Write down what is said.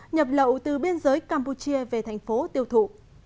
nhập lậu từ biên giới campuchia về tp tiêu thủ